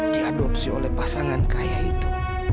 diadopsi oleh pasangan kaya itu